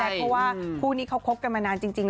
เพราะว่าคู่นี้เขาคบกันมานานจริง